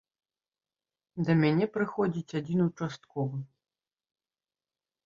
Да мяне прыходзіць адзін участковы.